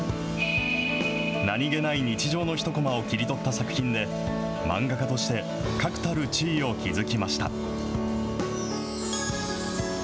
何気ない日常の一コマを切り取った作品で、漫画家として確たる地位を築きました。